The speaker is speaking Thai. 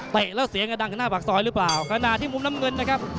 แล้วเสียงกระดังข้างหน้าปากซอยหรือเปล่าขณะที่มุมน้ำเงินนะครับ